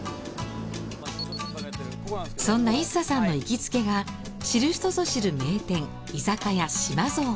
そんなＩＳＳＡさんの行きつけが知る人ぞ知る名店居酒屋「島ぞー。」。